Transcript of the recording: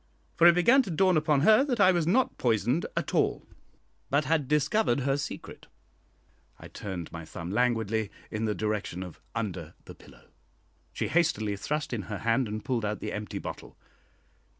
For it began to dawn upon her that I was not poisoned at all, but had discovered her secret. I turned my thumb languidly in the direction of under the pillow. She hastily thrust in her hand and pulled out the empty bottle.